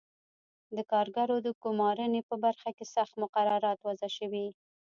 د کارګرو د ګومارنې په برخه کې سخت مقررات وضع شوي.